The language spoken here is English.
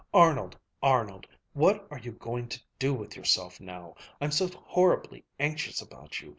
"Arnold! Arnold! What are you going to do with yourself now? I'm so horribly anxious about you.